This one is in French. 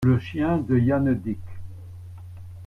Le chien de Janedig.